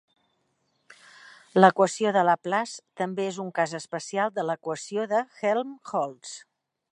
L'equació de Laplace també és un cas especial de l'equació de Helmholtz.